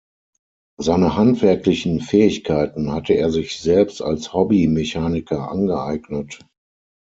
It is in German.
Seine handwerklichen Fähigkeiten hatte er sich selbst als Hobby-Mechaniker angeeignet.